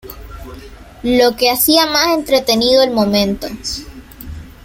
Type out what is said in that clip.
Lo que hacia más entretenido el momento.